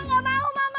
gak mau mama